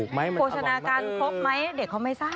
การพบไหมเด็กเขาไม่ทราบ